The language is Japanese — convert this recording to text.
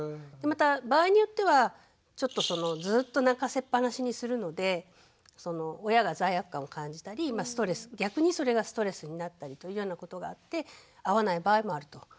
また場合によってはちょっとそのずっと泣かせっぱなしにするので親が罪悪感を感じたり逆にそれがストレスになったりというようなことがあって合わない場合もあると。